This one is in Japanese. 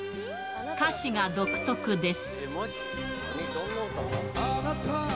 歌詞が独特です。